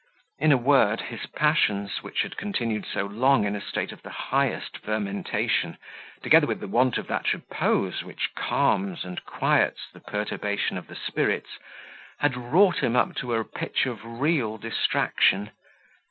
In a word, his passions, which had continued so long in a state of the highest fermentation, together with the want of that repose which calms and quiets the perturbation of the spirits, had wrought him up to a pitch of real distraction.